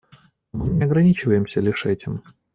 Но мы не ограничиваемся лишь этим.